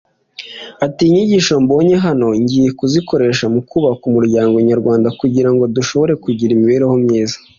Ati “inyigisho mbonye hano ngiye kuzikoresha mu kubaka umuryango nyarwanda kugira ngo dushobore kugira imibereho myiza”